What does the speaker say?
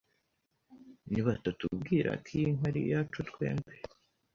nibatatubwira ko iyi nka ari iyacu twembi